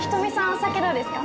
お酒どうですか？